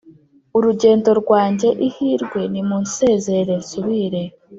urugendo rwanjye ihirwe nimunsezerere nsubire